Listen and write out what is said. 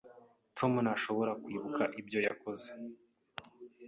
Tom ntashobora kwibuka ibyo yakoze.